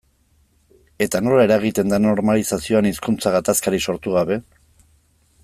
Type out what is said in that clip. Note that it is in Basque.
Eta nola eragiten da normalizazioan hizkuntza gatazkarik sortu gabe?